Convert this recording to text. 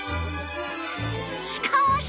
しかし！